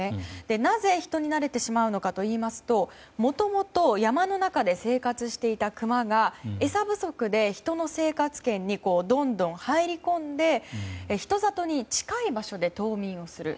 なぜ人に慣れてしまうのかといいますと、もともと山の中で生活していたクマが餌不足で人の生活圏にどんどん入り込んで人里に近い場所で冬眠をする。